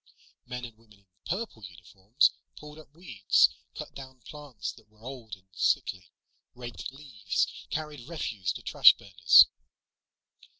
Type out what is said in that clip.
Men and women in purple uniforms pulled up weeds, cut down plants that were old and sickly, raked leaves, carried refuse to trash burners.